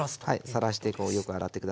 さらしてよく洗って下さいね。